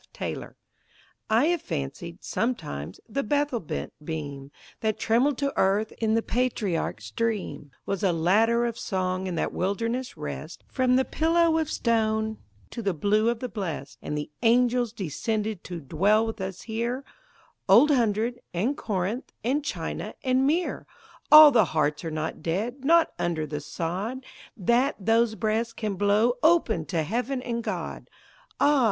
TAYLOR I have fancied, sometimes, the Bethel bent beam That trembled to earth in the patriarch's dream, Was a ladder of song in that wilderness rest, From the pillow of stone to the blue of the Blest, And the angels descended to dwell with us here, "Old Hundred," and "Corinth," and "China," and "Mear." All the hearts are not dead, not under the sod, That those breaths can blow open to Heaven and God! Ah!